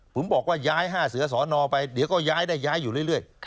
ผมบอกว่าย้าย๕เสือสอนอไปเดี๋ยวก็ย้ายได้ย้ายอยู่เรื่อย